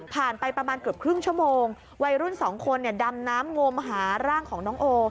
ไปประมาณเกือบครึ่งชั่วโมงวัยรุ่นสองคนเนี่ยดำน้ำงมหาร่างของน้องโอ